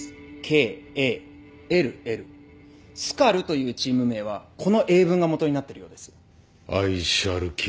ＳＫＡＬＬというチーム名はこの英文がもとになってるようです。